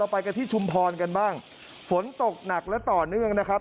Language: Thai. ไปกันที่ชุมพรกันบ้างฝนตกหนักและต่อเนื่องนะครับ